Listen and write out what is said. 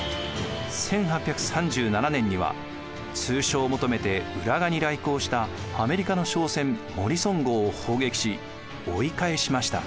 １８３７年には通商を求めて浦賀に来航したアメリカの商船モリソン号を砲撃し追い返しました。